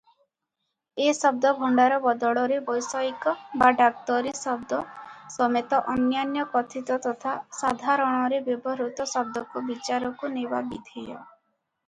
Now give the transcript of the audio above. ଏ ଶବ୍ଦଭଣ୍ଡାର ବଦଳରେ ବୈଷୟିକ ବା ଡାକ୍ତରୀ ଶବ୍ଦ ସମେତ ଅନ୍ୟାନ୍ୟ କଥିତ ତଥା ସାଧାରଣରେ ବ୍ୟବହୃତ ଶବ୍ଦକୁ ବିଚାରକୁ ନେବା ବିଧେୟ ।